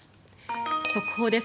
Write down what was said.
速報です。